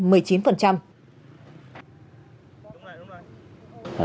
đúng rồi đúng rồi